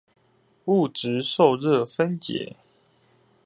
物質受熱分解